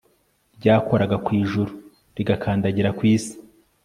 ryakoraga ku ijuru, rigakandagira ku isi